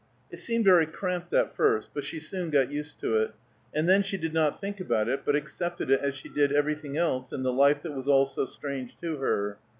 It seemed very cramped at first, but she soon got used to it, and then she did not think about it; but accepted it as she did everything else in the life that was all so strange to her.